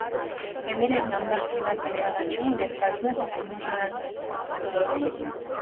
Էմիլին անմեղսունակ է ճանաչվում և տարվում հոգեբուժարան։